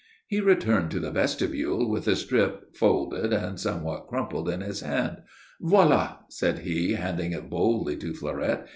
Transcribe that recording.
He returned to the vestibule with the strip folded and somewhat crumpled in his hand. "Voilà," said he, handing it boldly to Fleurette.